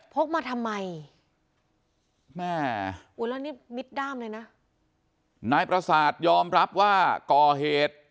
กมาทำไมแม่อู้แล้วนี่มิดด้ามเลยนะนายประสาทยอมรับว่าก่อเหตุ